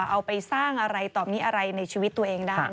เอาไปสร้างอะไรต่อมีอะไรในชีวิตตัวเองได้